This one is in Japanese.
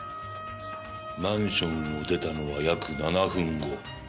マンションを出たのは約７分後。